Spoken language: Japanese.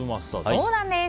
そうなんです。